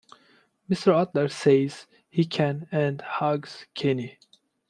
Mr. Adler says he can and hugs Kenny.